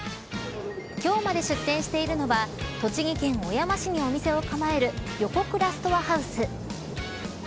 今日まで出店してるのは栃木県小山市にお店を構えるヨコクラ・ストアハウス。